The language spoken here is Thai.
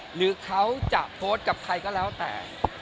หรือเขาจะโพสต์กับใครก็แล้วแต่